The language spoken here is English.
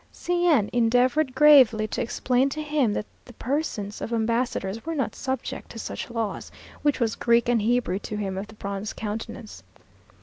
C n endeavoured gravely to explain to him that the persons of ambassadors were not subject to such laws, which was Greek and Hebrew to him of the bronze countenance.